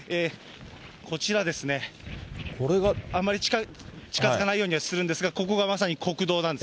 こちら、あんまり近づかないようにはするんですが、ここがまさに国道なんです。